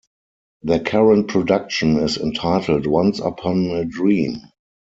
Their current production is entitled 'Once Upon A Dream.